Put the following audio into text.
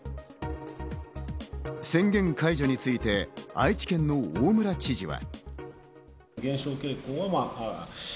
宣言解除について、愛知県の大村知事は。